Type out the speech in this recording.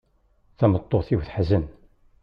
Tameṭṭut-iw teḥzen.